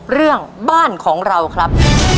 เรื่องบ้านของเราครับ